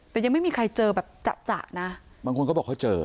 แต่ยังไม่มีใครเจอแบบจะนะบางคนก็บอกเขาเจอ